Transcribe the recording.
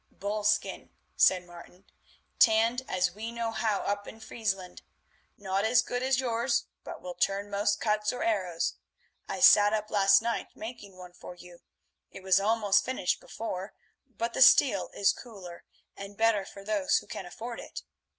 "Bullskin," said Martin, "tanned as we know how up in Friesland. Not as good as yours, but will turn most cuts or arrows. I sat up last night making one for you, it was almost finished before, but the steel is cooler and better for those who can afford it.